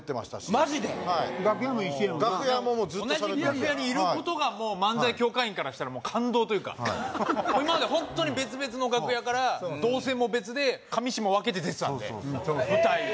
同じ楽屋にいることが漫才協会員からしたら感動というか今までホントに別々の楽屋から動線も別で上下分けて出てたんで舞台